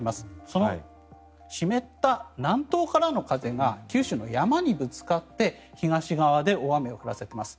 その湿った南東からの風が九州の山にぶつかって東側で大雨を降らせています。